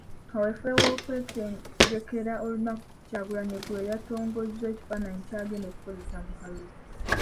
Kawefube w'okwetegekera olunaku Kyagulanyi eggulo yaatongozza ekifaananyi ky'agenda okukozesa mu kalulu.